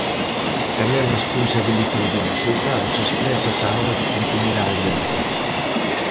Tamén responsabilizou dos resultados as présas á hora de compoñer a alianza.